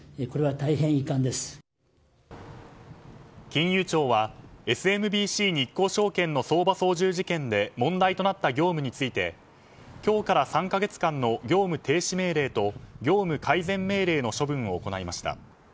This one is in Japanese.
金融庁はＳＭＢＣ日興証券の相場操縦事件で問題となった業務について今日から３か月間の業務停止命令と業務改善命令の処分を行いました。